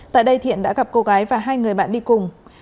tại đây thiện đã gặp cô gái và hai người bạn đi cùng